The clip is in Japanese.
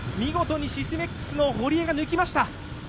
見事にシスメックスの堀江が抜きました。